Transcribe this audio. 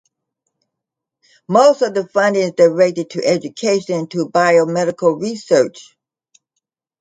Most of the funding is directed to education and to biomedical research.